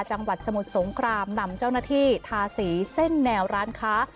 จังหวัดสมุทรสงครามนำเจ้าหน้าที่ทาสีเส้นแนวร้านค้า